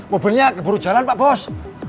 mobilnya keburu jalan pak bos